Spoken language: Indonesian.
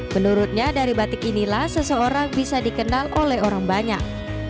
menurutnya dari batik inilah seseorang bisa dikenal oleh orang banyak